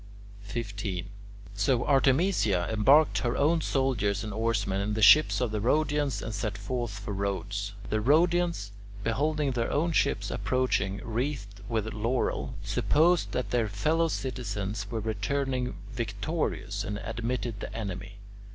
15. So Artemisia embarked her own soldiers and oarsmen in the ships of the Rhodians and set forth for Rhodes. The Rhodians, beholding their own ships approaching wreathed with laurel, supposed that their fellow citizens were returning victorious, and admitted the enemy.